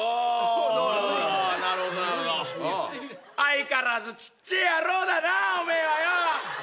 相変わらずちっちぇえ野郎だなお前はよ！